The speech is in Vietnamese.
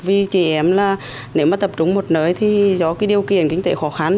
vì chị em là nếu mà tập trung một nơi thì do cái điều kiện kinh tế khó khăn